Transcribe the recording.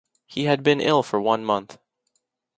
He had been ill for one month.